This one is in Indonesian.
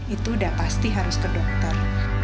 itu udah pasti harus ke dokter